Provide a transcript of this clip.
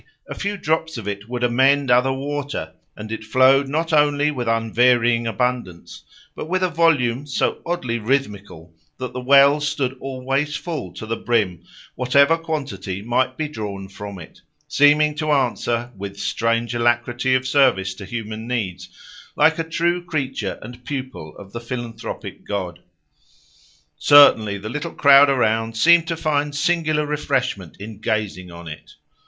a few drops of it would amend other water; and it flowed not only with unvarying abundance but with a volume so oddly rhythmical that the well stood always full to the brim, whatever quantity might be drawn from it, seeming to answer with strange alacrity of service to human needs, like a true creature and pupil of the philanthropic god. Certainly the little crowd around seemed to find singular refreshment in gazing on it.